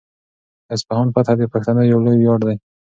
د اصفهان فتحه د پښتنو یو لوی ویاړ دی.